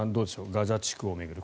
ガザ地区を巡る